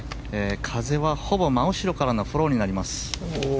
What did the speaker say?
風は、ほぼ真後ろからのフォローになります。